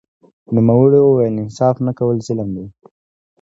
نوموړي وویل انصاف نه کول ظلم دی